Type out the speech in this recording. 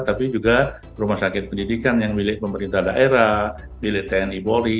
tapi juga rumah sakit pendidikan yang milik pemerintah daerah milik tni polri